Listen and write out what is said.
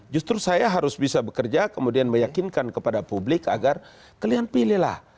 justru saya harus bisa bekerja kemudian meyakinkan kepada publik agar kalian pilihlah